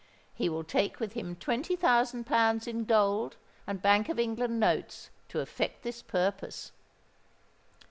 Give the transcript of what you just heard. He will take with him twenty thousand pounds in gold and Bank of England notes to effect this purpose."